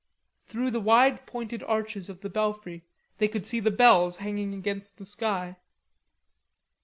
Through the wide pointed arches of the belfry they could see the bells hanging against the sky.